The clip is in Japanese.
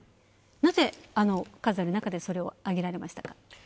なぜ、数ある中でそれを挙げられましたか？